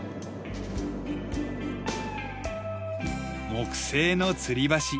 木製の吊り橋。